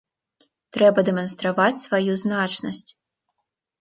Трэба дэманстраваць сваю значнасць.